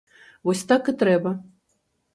Вось так і трэба.